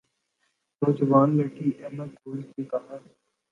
نوجوان لڑکی Emma Gold نے کہا